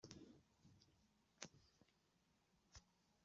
Nitni ḥemmlen-iyi.